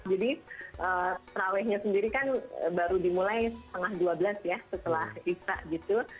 jadi trawehnya sendiri kan baru dimulai setengah dua belas ya setelah isa gitu